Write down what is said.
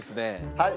はい。